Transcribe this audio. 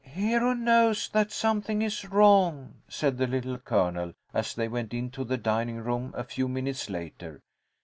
"Hero knows that something is wrong," said the Little Colonel, as they went into the dining room a few minutes later.